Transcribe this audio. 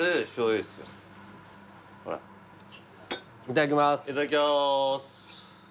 いただきまーす。